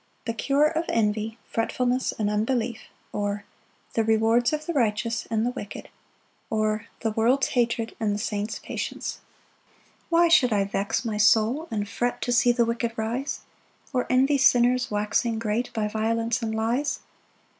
The cure of envy, fretfulness, and unbelief; or, The rewards of the righteous, and the wicked; or, The world's hatred, and the saint's patience. 1 Why should I vex my soul and fret To see the wicked rise? Or envy sinners waxing great, By violence and lies.